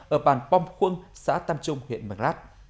ở bàn pom khuông xã tam trung huyện mường lát